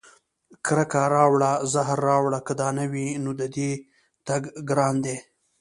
کرکه راوړه زهر راوړه که دا نه وي، نو د دې تګ ګران دی